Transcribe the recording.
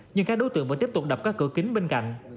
nhưng các đối tượng vẫn tiếp tục đập các cửa kính bên cạnh